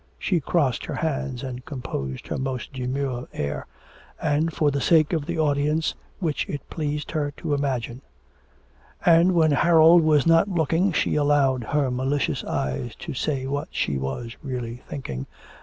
She crossed her hands and composed her most demure air; and, for the sake of the audience which it pleased her to imagine; and when Harold was not looking she allowed her malicious eyes to say what she was really thinking.